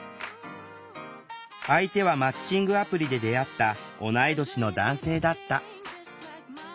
相手はマッチングアプリで出会った同い年の男性だった。